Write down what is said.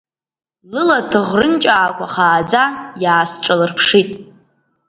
Лыла ҭыӷрынҷаақәа хааӡа иаасҿалырԥшит.